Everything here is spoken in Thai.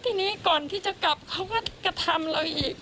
ทีนี้ก่อนที่จะกลับเขาก็กระทำเราอีก